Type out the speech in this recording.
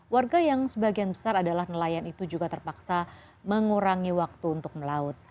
warga yang sebagian besar adalah nelayan itu juga terpaksa mengurangi waktu untuk melaut